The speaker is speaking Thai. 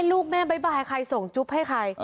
ลูกแม่บ๊ายบายใครส่งจุ๊บให้ใคร